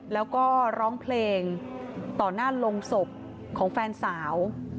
แล้วก็ร้องเพลงต่อหน้าลงศพของแฟนสาว